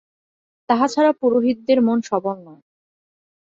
তাহা ছাড়া পুরোহিতদের মন সবল নয়।